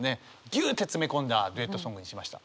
ぎゅって詰め込んだデュエットソングにしました。